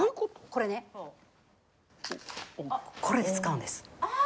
これねこれで使うんです。